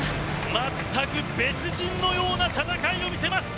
全く別人のような戦いを見せました。